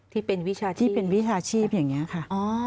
ที่เป็นวิชาที่เป็นวิชาชีพอย่างนี้ค่ะ